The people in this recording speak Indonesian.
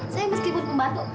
saya meski buat pembantu